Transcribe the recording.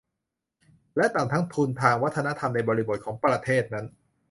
และต่ำทั้งทุนทางวัฒนธรรมในบริบทของประเทศนั้น